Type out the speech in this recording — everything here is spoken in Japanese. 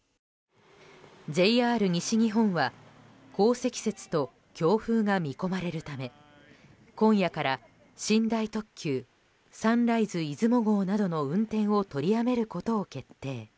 ＪＲ西日本は降積雪と強風が見込まれるため今夜から寝台特急「サンライズ出雲号」などの運転を取りやめることを決定。